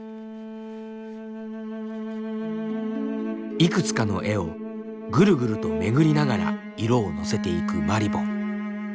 いくつかの絵をぐるぐると巡りながら色をのせていくまりぼん。